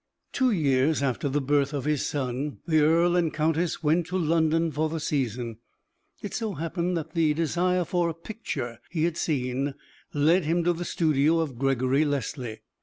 Two years after the birth of his son, the earl and countess went to London for the season. It so happened that the desire for a picture he had seen led him to the studio of Gregory Leslie.